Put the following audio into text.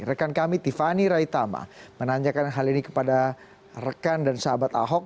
rekan kami tiffany raitama menanyakan hal ini kepada rekan dan sahabat ahok